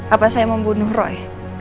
apa saya membunuh roy